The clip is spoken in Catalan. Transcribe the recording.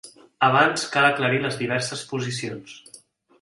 Abans cal aclarir les diverses posicions.